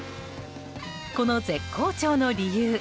この絶好調の理由